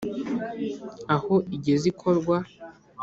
aho igeze ikorwa